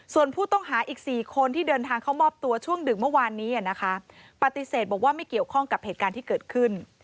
ส่วนผู้ต้องหาอีก๔คนที่เดินทางเข้ามอบตัวช่วงดึกเมื่อวานนี้นะคะปฏิเสธบอกว่าไม่เกี่ยวข้องกับเหตุการณ์ที่เกิดขึ้น